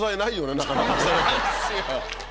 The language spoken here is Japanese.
ないっすよ。